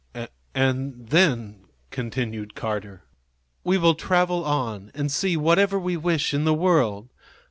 "And then," continued Carter, "we will travel on and see whatever we wish in the world.